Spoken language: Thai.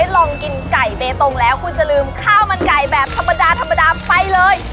แล้วคุณจะลืมข้าวมันไก่แบบธรรมดาไปเลย